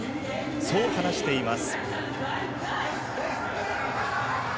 そう話しています。